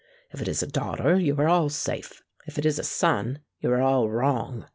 If it is a daughter, you are all safe; if it is a son you are all wrong.